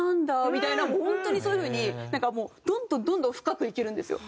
みたいな本当にそういう風になんかもうどんどんどんどん深くいけるんですよ。